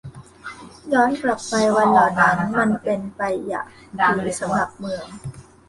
ย้อนกลับไปวันเหล่านั้น มันเป็นไปอย่างดีสำหรับเมือง